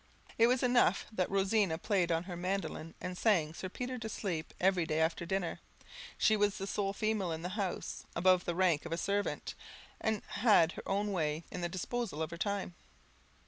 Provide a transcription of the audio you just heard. It was enough that Rosina played on her mandoline, and sang Sir Peter to sleep every day after dinner; she was the sole female in the house above the rank of a servant, and had her own way in the disposal of her time.